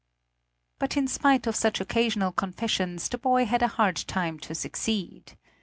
But in spite of such occasional confessions the boy had a hard time to succeed.